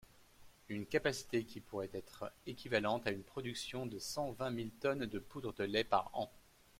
Une capacité qui pourrait être équivalente à une production de cent vingt mille tonnes de poudre de lait par an.